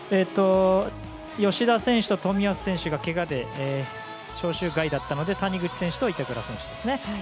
吉田選手と冨安選手がけがで招集外だったので谷口選手と板倉選手ですね。